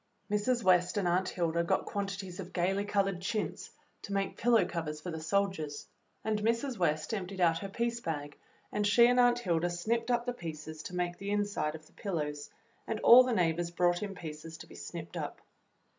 Mrs. W^est and Aunt Hilda got quantities of gayly colored chintz to make pillow covers for the soldiers, and Mrs. W^est emptied out her piece bag, and she and Aunt Hilda snipped up the pieces to make the inside of the pillows, and all the neighbors brought in pieces to be snipped up.